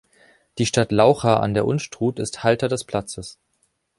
Die Stadt Laucha an der Unstrut ist Halter des Platzes.